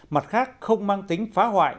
mặt khác không mang tính phá hoại